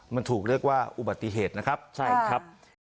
มันถูกเรียกว่าอุบัติเหตุนะครับใช่ครับ